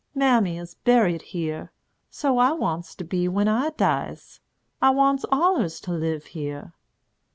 Mammy is buried here; so I wants to be when I dies. I wants allers to live here."